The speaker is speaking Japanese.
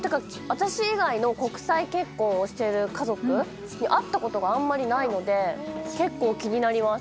私以外の国際結婚をしている家族に会ったことがあんまりないので結構気になります